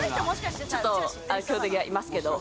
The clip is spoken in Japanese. ちょっと強敵がいますけど。